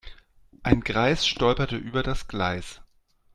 Ein Greis stolperte über das Gleis.